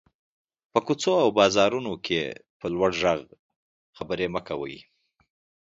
په کوڅو او بازارونو کې په لوړ غږ خبري مه کوٸ.